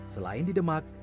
selain di demak